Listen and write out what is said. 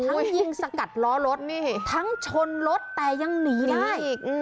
ทั้งยิงสกัดล้อรถทั้งชนรถแต่ยังหนีได้